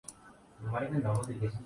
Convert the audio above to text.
امہاری